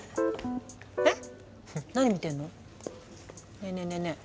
ねえねえねえねえ。